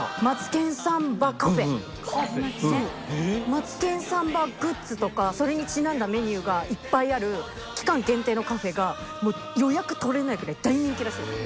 マツケンサンバグッズとかそれにちなんだメニューがいっぱいある期間限定のカフェがもう予約取れないぐらい大人気らしいです。